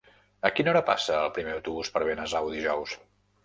A quina hora passa el primer autobús per Benasau dijous?